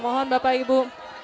mohon bapak ibu